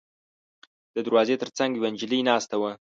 د دروازې تر څنګ یوه نجلۍ ناسته وه.